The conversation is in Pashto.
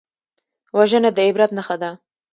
وژنه د عبرت نښه ده